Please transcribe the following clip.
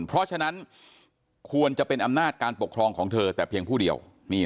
เพราะฉะนั้นควรจะเป็นอำนาจการปกครองของเธอแต่เพียงผู้เดียว